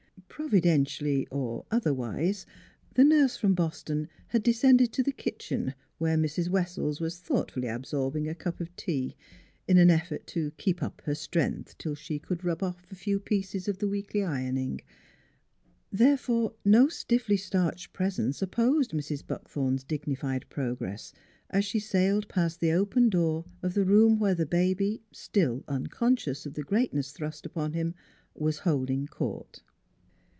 Providentially, or otherwise, the nurse from Boston had descended to the kitchen, where Mrs. Wessells was thoughtfully absorbing a cup of tea in an effort to ' keep up her stren'th 'till she could rub off a few pieces ' of the weekly ironing; there fore no stiffly starched presence opposed Mrs. Buckthorn's dignified progress as she sailed past the open door of the room where the baby still unconscious of the greatness thrust upon him was holding court.